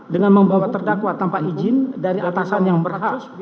dengan membawa terdakwa tanpa izin dari atasan yang berhak